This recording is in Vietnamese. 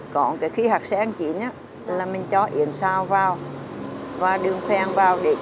còn cái khí hạt sen trịn là mình cho yên sau vào và đưa phèn vào để trứng